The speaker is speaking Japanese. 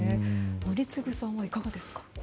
宜嗣さんはいかがですか？